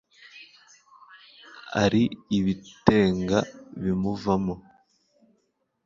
Ari ibitenga bimuvamo